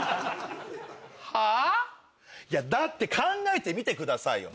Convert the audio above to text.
はぁ？だって考えてみてくださいよ！